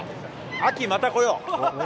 秋また来よう！